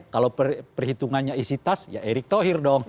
kalau perhitungannya isi tas ya erick thohir dong